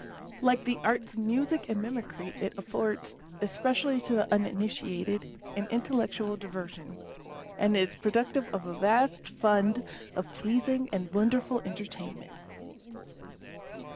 Like the Arts of Music and Mimicry, it affords, especially to the uninitiated, an intellectual diversion; and is productive of a vast fund of pleasing and wonderful enter tainment.